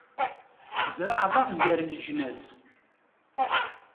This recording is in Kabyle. Tzerɛeḍ-aɣ gar leǧnas.